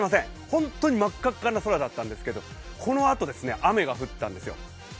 本当に真っ赤っかな空だったんですけど、このあと雨が降ったんですよ。